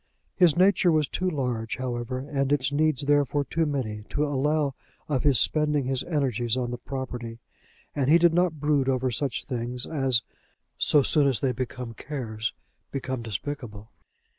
His nature was too large, however, and its needs therefore too many, to allow of his spending his energies on the property; and he did not brood over such things as, so soon as they become cares, become despicable.